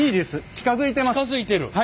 近づいてる。